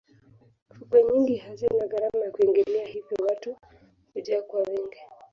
fukwe nyingi hazina gharama ya kuingilia hivyo watu hujaa kwa wingi